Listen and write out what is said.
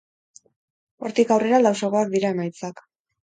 Hortik aurrera, lausoagoak dira emaitzak.